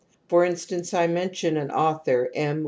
For instance I mention an author, M.